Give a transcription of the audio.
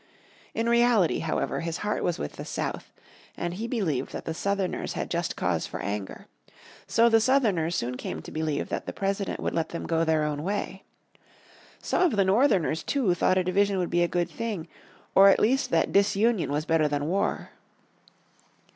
In reality, however, his heart was with the South, and he believed that the Southerners had just cause for anger. So the Southerners soon came to believe that the President would let them go their own way. Some of the Northerners, too, thought a division would be a good thing, or at least that disunion was better than war.